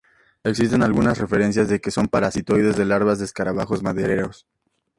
Existen algunas referencias de que son parasitoides de larvas de escarabajos madereros.